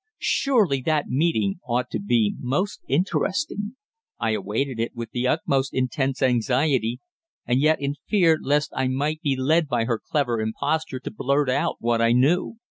Surely that meeting ought to be most interesting. I awaited it with the most intense anxiety, and yet in fear lest I might be led by her clever imposture to blurt out what I knew.